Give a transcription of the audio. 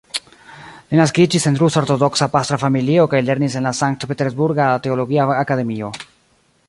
Li naskiĝis en rusa ortodoksa pastra familio kaj lernis en la Sankt-peterburga teologia akademio.